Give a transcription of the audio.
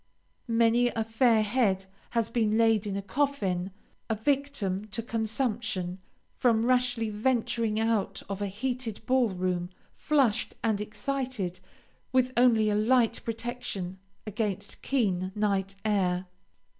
Many a fair head has been laid in a coffin, a victim to consumption, from rashly venturing out of a heated ball room, flushed and excited, with only a light protection against keen night air.